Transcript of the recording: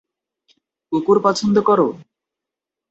কুকুর পছন্দ কর?